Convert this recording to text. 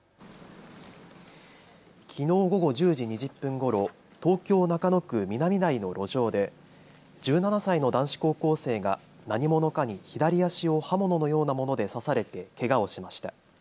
きのう午後１０時２０分ごろ、東京中野区南台の路上で１７歳の男子高校生が何者かに左足を刃物のようなもので刺されてけがをしました。